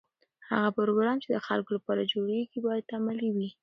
هغه پروګرام چې د خلکو لپاره جوړیږي باید عملي وي.